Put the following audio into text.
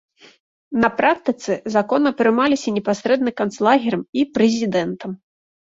На практыцы законы прымаліся непасрэдна канцлерам і прэзідэнтам.